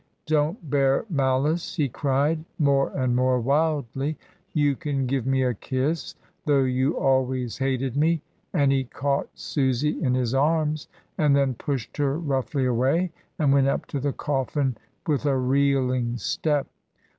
Don't bear malice!" he cried, more and more wildly. "You can give me a kiss, though you always hated me," and he caught Susy in his arms, and then pushed her roughly away, and went up to the coffin with a reeling step.